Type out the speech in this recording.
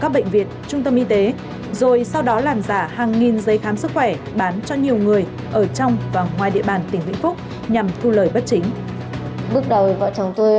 bệnh viện trung tâm y tế rồi sau đó làm giả hàng nghìn giấy khám sức khỏe